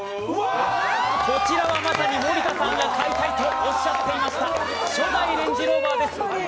こちらはまさに森田さんが買いたいとおっしゃっていました初代レンジローバーです。